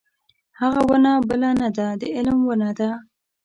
هغه ونه بله نه ده د علم ونه ده.